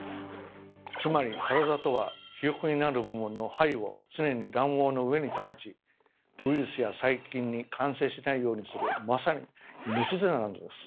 つまりカラザとはヒヨコになる部分の胚を常に卵黄の上に保ちウイルスや細菌に感染しないようにするまさに命綱なのです。